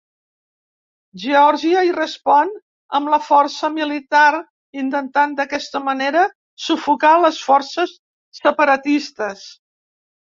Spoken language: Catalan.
Geòrgia hi respon amb la força militar, intentant, d'aquesta manera, sufocar les forces separatistes.